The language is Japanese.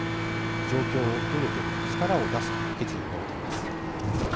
状況を受け入れて力を出す」と決意を述べています。